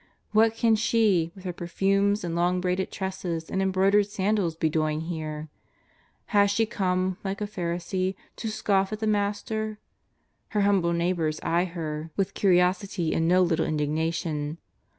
What can she, with her per fumes and long braided tresses and embroidered sandals, be doing here ? Has she come, like a Pharisee, to scoff at the Master? Her humble neighbours eye her with 212 JESUS OF NAZARETH. curiosity and no little indignation.